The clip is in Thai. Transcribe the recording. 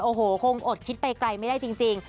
โอ้โหคงอดคิดไปไกลไม่ได้จริง